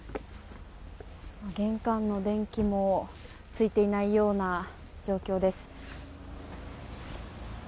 玄関の電気もついていないような状況です。